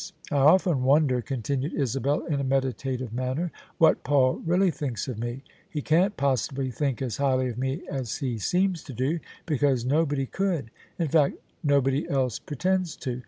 " I often wonder," continued Isabel in a meditative man ner, "what Paul really thinks of me. He can't possibly think as highly of me as he seems to do, because nobody could: in fact nobody eke pretends to.